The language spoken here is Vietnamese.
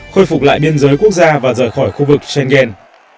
khôi phục lại biên giới quốc gia và rời khỏi khu vực schengen